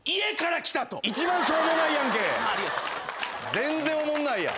全然おもんないやん。